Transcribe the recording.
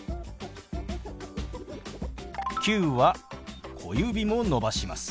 「９」は小指も伸ばします。